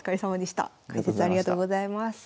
解説ありがとうございます。